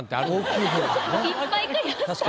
いっぱい買いました。